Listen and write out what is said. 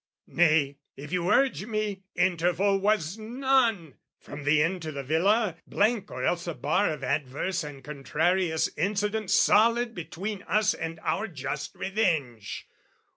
Nay, if you urge me, interval was none! From the inn to the villa blank or else a bar Of adverse and contrarious incident Solid between us and our just revenge!